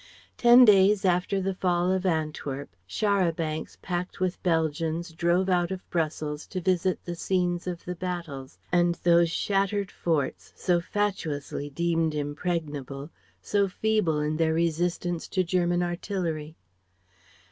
Ten days after the fall of Antwerp char à bancs packed with Belgians drove out of Brussels to visit the scenes of the battles and those shattered forts, so fatuously deemed impregnable, so feeble in their resistance to German artillery.